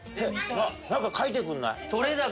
何か書いてくんない？